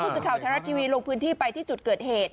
สื่อข่าวไทยรัฐทีวีลงพื้นที่ไปที่จุดเกิดเหตุ